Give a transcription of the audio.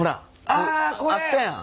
あこれ！あったやん。